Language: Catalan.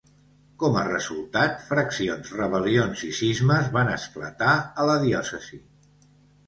Com a resultat, fraccions, rebel·lions i cismes van esclatar a la diòcesi.